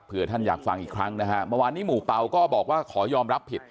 เพื่อท่านอยากฟังอีกครั้งนะฮะเมื่อวานนี้หมู่เปล่าก็บอกว่าขอยอมรับผิด